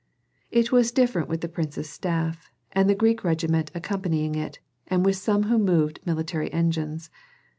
It was different with the prince's staff, and the Greek regiment accompanying it, and with some who moved military engines.